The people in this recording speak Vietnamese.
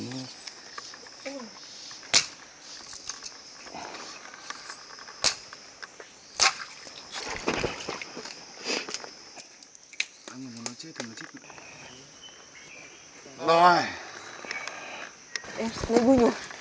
em lấy bụi nhồi